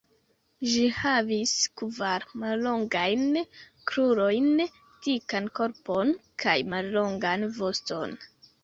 Ĝi havis kvar mallongajn krurojn, dikan korpon, kaj mallongan voston.